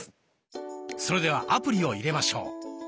それではアプリを入れましょう。